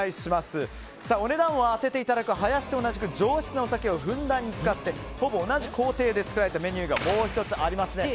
お値段を当てていただくハヤシと同じく上質なお酒をふんだんに使ってほぼ同じ工程で作られたメニューがあります。